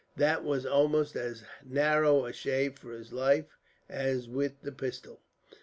That was almost as narrow a shave for his life as with the pistol.